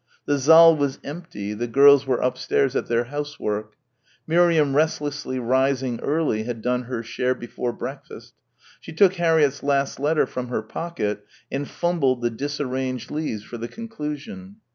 The saal was empty, the girls were upstairs at their housework. Miriam restlessly rising early had done her share before breakfast. She took Harriett's last letter from her pocket and fumbled the disarranged leaves for the conclusion.